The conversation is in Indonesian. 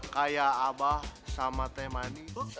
kayak abah sama teman